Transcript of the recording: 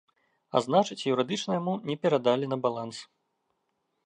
А значыць, юрыдычна яму не перадалі на баланс.